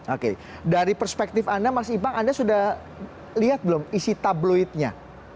oke dari perspektif anda mas ibang anda sudah lihat belum isi tabloidnya